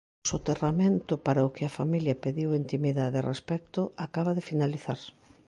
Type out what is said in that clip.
O soterramento, para o que a familia pediu intimidade e respecto, acaba de finalizar.